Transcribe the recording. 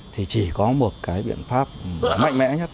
thì chỉ có một biện pháp mạnh mẽ nhất